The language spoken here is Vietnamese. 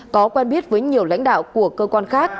có quen biết với nhiều lãnh đạo của cơ quan khác